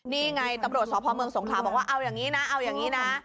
นี่ไงตำรวจสพเมืองสงครามบอกว่าเอาอย่างนี้นะเอาอย่างนี้นะ